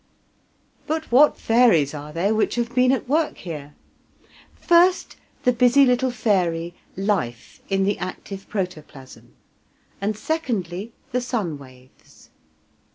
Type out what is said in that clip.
But what fairies are they which have been at work here? First, the busy little fairy Life in the active protoplasm; and secondly, the sun waves.